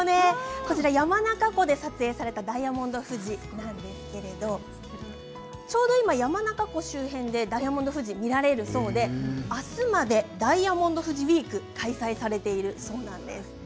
山中湖で撮影されたダイヤモンド富士なんですけれども、ちょうど山中湖周辺でダイヤモンド富士が見られるそうで明日までダイヤモンド富士ウィーク開催されているそうなんです。